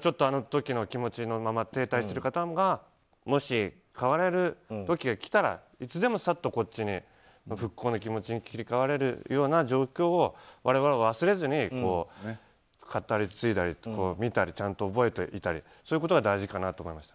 ちょっとあの時の気持ちのまま停滞している方がもし、変われる時が来たらいつでもさっと、こっちに復興の気持ちに切り替われるような状況を我々は忘れずに語り継いだり見たりちゃんと覚えていたりということが大事かなと思います。